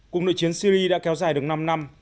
cùng đội chiến syri đã kéo dài được năm năm